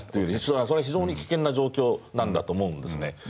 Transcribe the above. それは非常に危険な状況なんだと思うんですね。